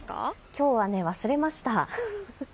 きょうは忘れました。